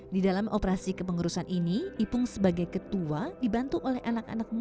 di dalam operasi kepengurusan ini ipung sebagai ketua dibantu oleh anak anak muda